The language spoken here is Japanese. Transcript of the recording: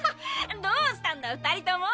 どしたんだ２人とも！